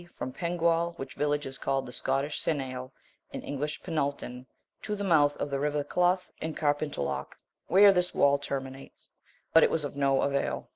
from Penguaul, which village is called in Scottish Cenail, in English Peneltun, to the mouth of the river Cluth and Cairpentaloch, where this wall terminates; but it was of no avail.